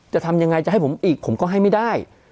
จะทำยังไงจะให้ผมอีกผมก็ให้ไม่ได้